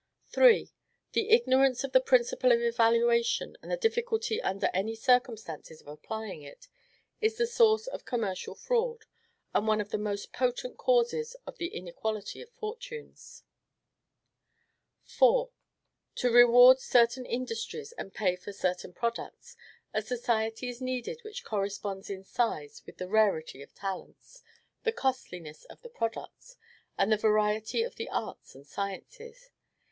3. The ignorance of the principle of evaluation, and the difficulty under many circumstances of applying it, is the source of commercial fraud, and one of the most potent causes of the inequality of fortunes. 4. To reward certain industries and pay for certain products, a society is needed which corresponds in size with the rarity of talents, the costliness of the products, and the variety of the arts and sciences.